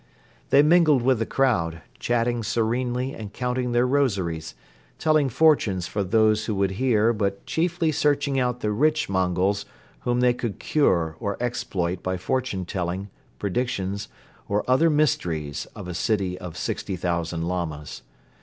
They mingled with the crowd, chatting serenely and counting their rosaries, telling fortunes for those who would hear but chiefly searching out the rich Mongols whom they could cure or exploit by fortune telling, predictions or other mysteries of a city of 60,000 Lamas.